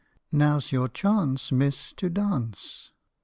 " Now 's your chance, Miss, to dance.